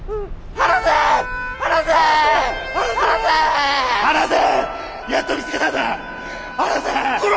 離せ！